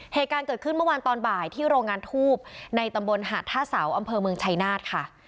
เหตุการณ์เกิดขึ้นเมื่อวานตอนบ่ายที่โรงงานทูบในตำบลหาดท่าเสาอำเภอเมืองชัยนาธค่ะ